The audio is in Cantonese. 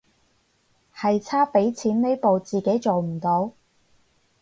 係差畀錢呢步自己做唔到